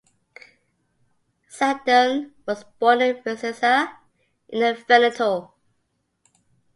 Sandon was born in Vicenza, in the Veneto.